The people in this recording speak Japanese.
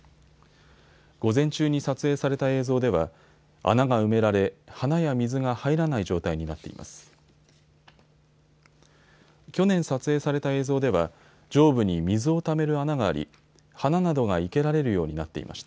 午前中に撮影された映像では穴が埋められ花や水が入らない状態になっています。